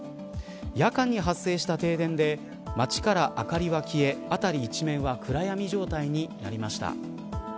夜間に発生した停電で街から明かりが消え辺り一面は暗闇状態になりました。